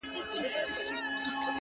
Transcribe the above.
• په تا هيـــــڅ خــــبر نـــه يــــم ـ